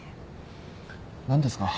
何ですか？